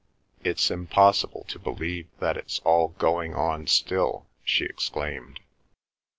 "It's impossible to believe that it's all going on still!" she exclaimed.